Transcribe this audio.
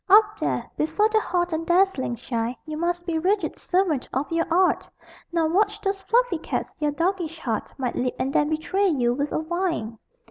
Up there, before the hot and dazzling shine You must be rigid servant of your art, Nor watch those fluffy cats your doggish heart Might leap and then betray you with a whine!